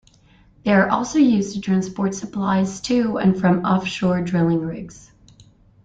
They are also used to transport supplies to and from offshore drilling rigs.